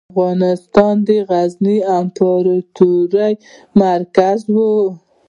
افغانستان د غزني امپراتورۍ مرکز و.